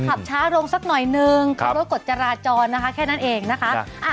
ขับช้าลงสักหน่อยนึงเคารพกฎจราจรนะคะแค่นั้นเองนะคะ